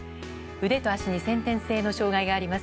腕と足に先天性の障害があります。